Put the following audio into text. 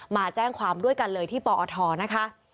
มาแจ้งความด้วยกันเลยที่ปอทนะคะ